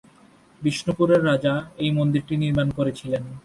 বিষ্ণুপুরের রাজা এই মন্দিরটি নির্মাণ করেছিলেন।